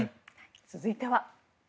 続いては。